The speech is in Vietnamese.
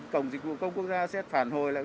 cổng dịch vụ công quốc gia sẽ phản hồi lại